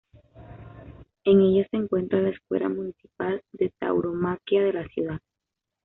En ella se encuentra la Escuela Municipal de Tauromaquia de la ciudad.